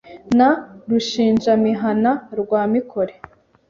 Na Rushinjamihana rwa Mikore